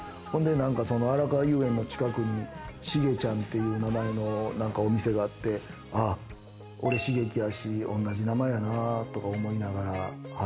そのあらかわ遊園の近くにシゲちゃんという名前のお店があって、俺、茂樹やし同じ名前やなとか思いながら。